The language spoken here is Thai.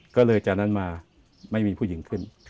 ก็เลยจากนั้นมาไม่มีผู้หญิงขึ้น